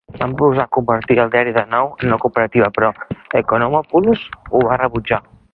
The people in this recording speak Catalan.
Van proposar convertir el diari de nou en una cooperativa, però Ekonomopoulos ho va rebutjar.